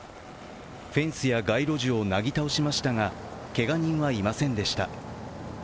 フェンスや街路樹をなぎ倒しましたがけが人はいませんでした。